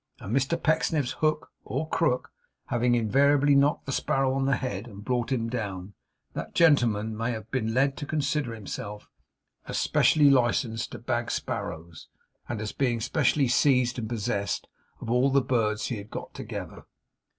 And Mr Pecksniff's hook, or crook, having invariably knocked the sparrow on the head and brought him down, that gentleman may have been led to consider himself as specially licensed to bag sparrows, and as being specially seized and possessed of all the birds he had got together.